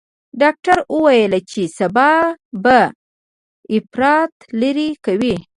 ډاکتر وويل چې سبا به اپرات لرې کوي.